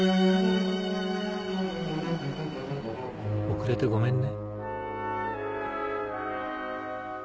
遅れてごめんね。